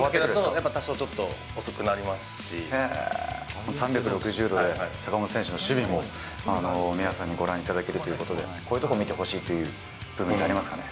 やっぱ多少、ちょっと遅くな３６０度で坂本選手の守備も、皆さんにご覧いただけるということで、こういうとこ見てほしいという部分ってありますかね。